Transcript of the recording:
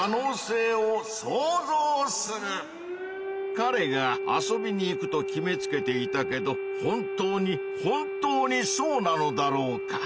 かれが遊びに行くと決めつけていたけど本当に本当にそうなのだろうか？